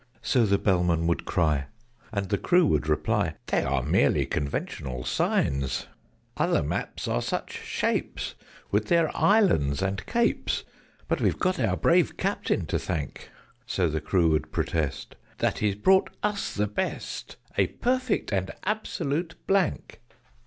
So the Bellman would cry: and the crew would reply "They are merely conventional signs! [Illustration: OCEAN CHART.] "Other maps are such shapes, with their islands and capes! But we've got our brave Captain to thank" (So the crew would protest) "that he's bought us the best A perfect and absolute blank!"